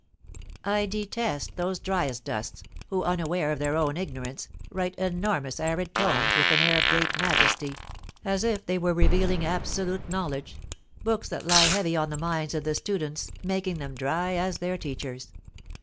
I detest those dryasdusts who, unaware of their own ignorance, write enormous arid tomes with an air of great majesty, as if they were revealing absolute knowledge, books that lie heavy on the minds of the students, making them dry as their teachers.